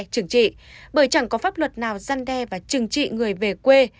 chừng trị bởi chẳng có pháp luật nào gian đe và chừng trị người về quê